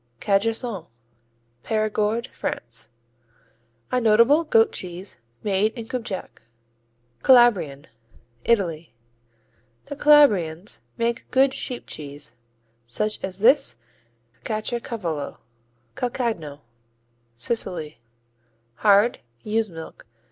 Cajassou Périgord, France A notable goat cheese made in Cubjac. Calabrian Italy The Calabrians make good sheep cheese, such as this and Caciocavallo. Calcagno Sicily Hard; ewe's milk.